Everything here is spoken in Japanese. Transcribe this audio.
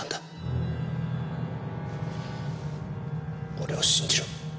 俺を信じろ。